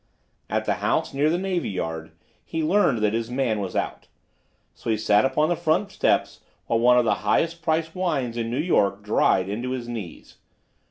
At the house near the Navy Yard he learned that his man was out. So he sat upon the front steps while one of the highest priced wines in New York dried into his knees.